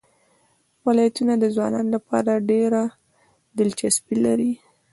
ولایتونه د ځوانانو لپاره ډېره دلچسپي لري.